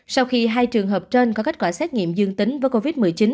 sau khi hai trường hợp trên có kết quả xét nghiệm dương tính với covid một mươi chín